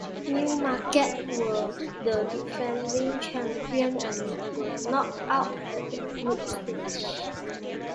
Newmarket were the defending champions and were knocked out at the group stage.